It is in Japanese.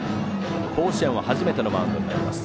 甲子園は初めてのマウンドになります。